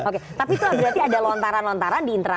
oke tapi itu berarti ada lontaran lontaran di internal